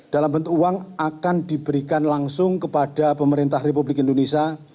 dalam bentuk uang akan diberikan langsung kepada pemerintah republik indonesia